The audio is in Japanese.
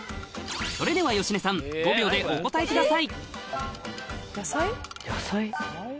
それでは芳根さん５秒でお答えください野菜？